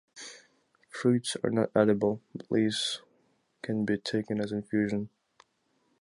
Fruits are not edible, but leaves can be taken as infusion.